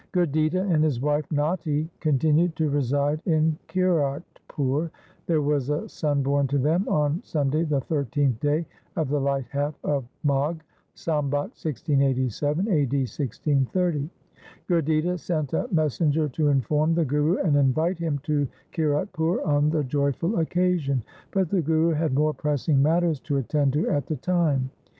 Gurditta and his wife Natti continued to reside in Kiratpur. There was a son born to them on Sunday the thirteenth day of the light half of Magh, Sambat 1687 (a. d. 1630). Gurditta sent a messenger to inform the Guru and invite him to Kiratpur on the joyful occasion ; but the Guru had more pressing matters to attend to at the time.